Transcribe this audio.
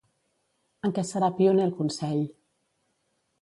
En què serà pioner el Consell?